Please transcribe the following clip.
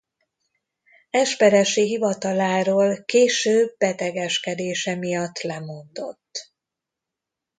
Esperesi hivataláról később betegeskedése miatt lemondott.